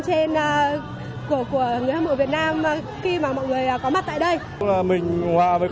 chili ý an máy truyền however vinh hồng